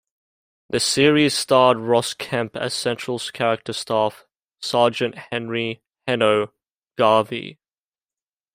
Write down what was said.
The series starred Ross Kemp as central character Staff Sergeant Henry 'Henno' Garvie.